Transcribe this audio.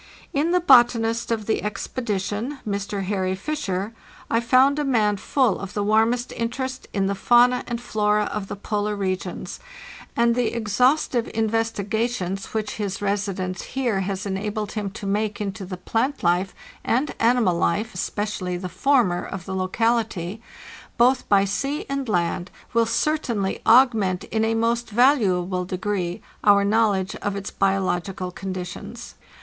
In the botanist of the expedition, Mr. Harry Fisher, I found a man full of the warmest in terest in the fauna and flora of the polar regions, and the 564 FARTHEST NORTH exhaustive investigations which his residence here has enabled him to make into the plant life and animal life (especially the former) of the locality, both by sea and land, will certainly augment in a most valuable degree our knowledge of its biological conditions.